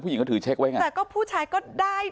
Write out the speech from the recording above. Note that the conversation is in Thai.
หญิงเขาถือเช็คไว้ไงแต่ก็ผู้ชายก็ได้